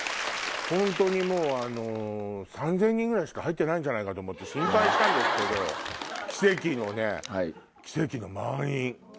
３０００人ぐらいしか入ってないんじゃないかって心配したんですけど奇跡の満員。